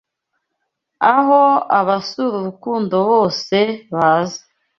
Aho abasura urukundo bose baza